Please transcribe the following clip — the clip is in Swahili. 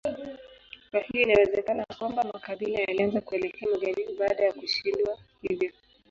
Kwa hiyo inawezekana kwamba makabila yalianza kuelekea magharibi baada ya kushindwa hivyo.